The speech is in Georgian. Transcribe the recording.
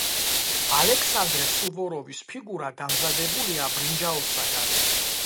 ალექსანდრე სუვოროვის ფიგურა დამზადებულია ბრინჯაოსაგან.